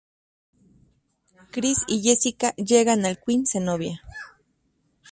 Chris y Jessica llegan al "Queen Zenobia".